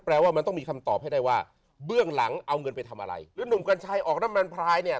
แปลว่ามันต้องมีคำตอบให้ได้ว่าเบื้องหลังเอาเงินไปทำอะไรหรือหนุ่มกัญชัยออกน้ำมันพลายเนี่ย